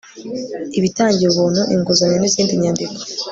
ibitangiwe ubuntu inguzanyo n izindi nyandiko